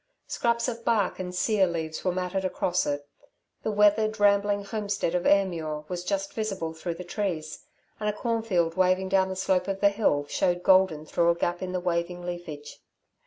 Scraps of bark and sear leaves were matted across it. The weathered, rambling homestead of Ayrmuir was just visible through the trees, and a cornfield waving down the slope of the hill showed golden through a gap in the waving leafage.